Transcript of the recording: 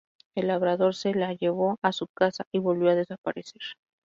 El labrador se la llevó a su casa y volvió a desaparecer.